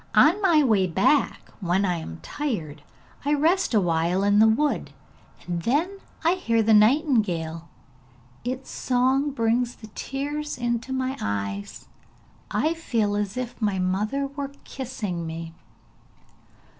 On my way back, when I am tired, I rest awhile in the wood, and then I hear the nightingale. Its song brings the tears into my eyes; I feel as if my mother were kissing me!'